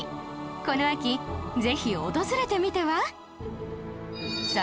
この秋ぜひ訪れてみては？